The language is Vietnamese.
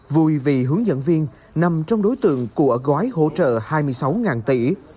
vui vì hướng dẫn viên nằm trong đối tượng của gói hỗ trợ hai mươi sáu tỷ